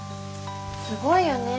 すごいよね。